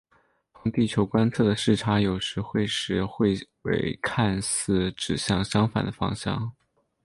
从地球观测的视差有时会使彗尾看似指向相反的方向。